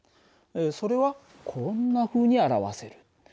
それはこんなふうに表せる。